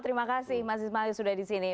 terima kasih mas ismail sudah disini